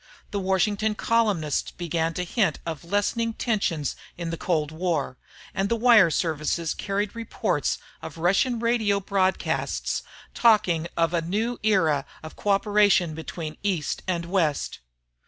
The Washington columnists began to hint of lessening tension in the cold war, and the wire services carried reports of Russian radio broadcasts talking of a new era of cooperation between East and West.